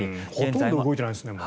ほとんど動いてないですね。